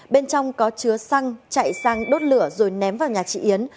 bên trong có chứa xăng chạy sang đốt lửa rồi ném vào nhà chị yến